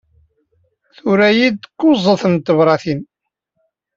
Tura-iyi-d kuẓet n tebṛatin.